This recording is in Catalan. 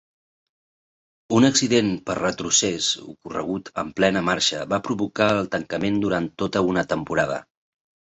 Un accident per retrocés ocorregut en plena marxa va provocar el tancament durant tota una temporada.